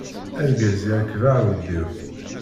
Argaz yerkeb aɛudiw.